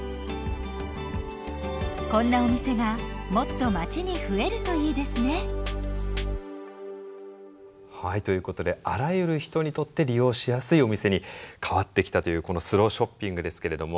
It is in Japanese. こんなお店がもっと町に増えるといいですね。ということであらゆる人にとって利用しやすいお店に変わってきたというこのスローショッピングですけれども。